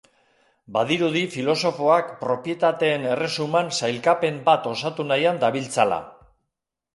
Badirudi filosofoak propietateen erresuman sailkapen bat osatu nahian dabiltzala.